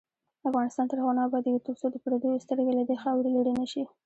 افغانستان تر هغو نه ابادیږي، ترڅو د پردیو سترګې له دې خاورې لرې نشي.